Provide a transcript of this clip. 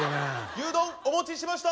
・牛丼お持ちしました！